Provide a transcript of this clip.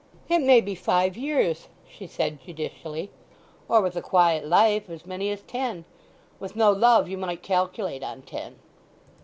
"It may be five years," she said judicially. "Or, with a quiet life, as many as ten. With no love you might calculate on ten."